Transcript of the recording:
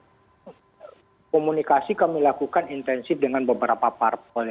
jadi komunikasi kami lakukan intensif dengan beberapa part